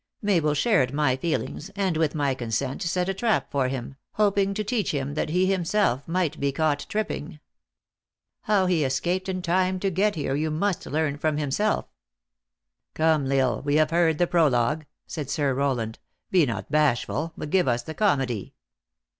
Mabel shared my feelings, and, with my consent, set a trap for him, hoping to teach him that he himself might be caught tripping. How he escaped iu time to get here you must learn from him self." THE ACTRESS IN HIGH LIFE. 389 " Come, L Isle, we have heard the prologue," said Sir Rowland ;" be not bashful, but give us the comedy."